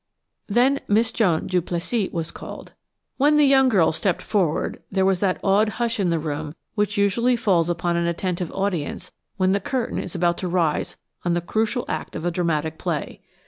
Then Miss Joan Duplessis was called. When the young girl stepped forward there was that awed hush in the room which usually falls upon an attentive audience when the curtain is about to rise on the crucial act of a dramatic play.